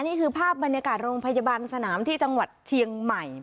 นี่คือภาพบรรยากาศโรงพยาบาลสนามที่จังหวัดเชียงใหม่